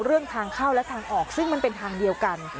เรื่องทางเข้าและทางออกซึ่งมันเป็นทางเดียวกัน